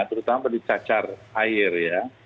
terutama di cacar air ya